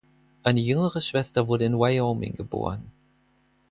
Eine jüngere Schwester wurde in Wyoming geboren.